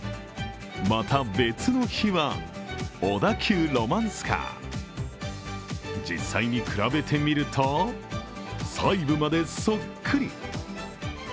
また別の日は、小田急ロマンスカー実際に比べてみると、細部までそっくり。